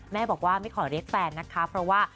แม่บอกว่าไม่ขอเรียกแฟนนะคะเพราะว่า